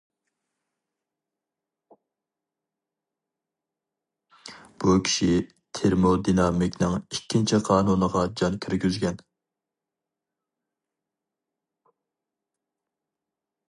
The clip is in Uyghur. بۇ كىشى تېرمودىنامىكىنىڭ ئىككىنچى قانۇنىغا جان كىرگۈزگەن.